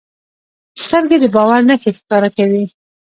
سترګې د باور نښې ښکاره کوي